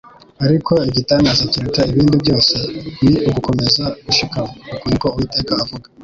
Ariko igitangaza kiruta ibindi byose, ni ugukomeza gushikama “Uku niko Uwiteka avuga,